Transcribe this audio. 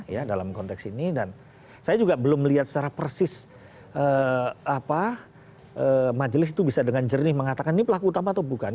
ya dalam konteks ini dan saya juga belum melihat secara persis majelis itu bisa dengan jernih mengatakan ini pelaku utama atau bukan